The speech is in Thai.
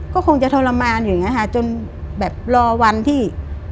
ก็คงจะทรมานอยู่อย่างเงี้ค่ะจนแบบรอวันที่